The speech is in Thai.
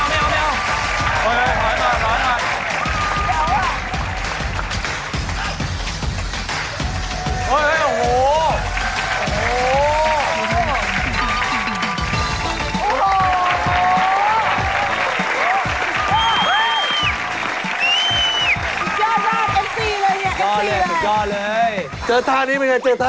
เดี๋ยวไปกระเด็นน่ะ